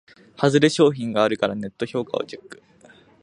ハズレ商品があるからネット評価をチェック